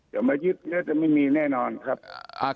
จะมายึดแล้วจะไม่มีแน่นอนครับ